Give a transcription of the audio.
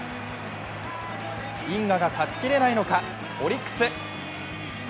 因果が断ち切れないのか、オリックス。